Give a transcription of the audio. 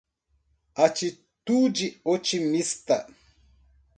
Atitude otimista